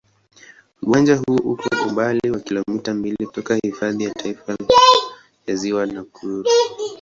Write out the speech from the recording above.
Uwanja huo uko umbali wa kilomita mbili kutoka Hifadhi ya Taifa ya Ziwa Nakuru.